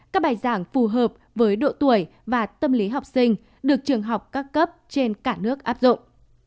các bài giảng phù hợp với độ tuổi và tâm lý học sinh được trường học các cấp trên cả nước áp dụng